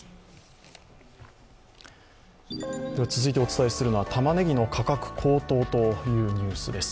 続いてお伝えするのは、たまねぎの価格高騰というニュースです